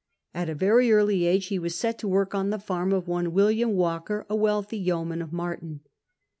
At a very early ago he was set to work on the farm of one William Walker, a wealthy yeoman of Maiton.